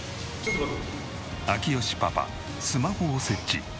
明慶パパスマホを設置。